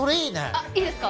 あっいいですか？